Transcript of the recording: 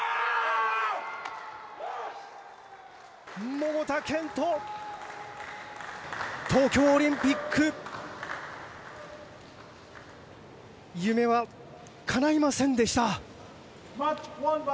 桃田賢斗、東京オリンピック、夢はかないませんでした。